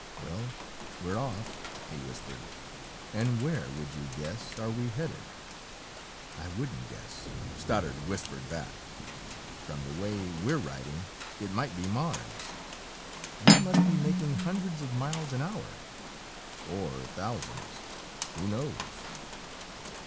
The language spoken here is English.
"Well, we're off!" he whispered. "And where, would you guess, are we headed?" "I wouldn't guess," Stoddard whispered back. "From the way we're riding, it might be Mars! We must be making hundreds of miles an hour." "Or thousands! Who knows?"